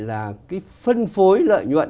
là cái phân phối lợi nhuận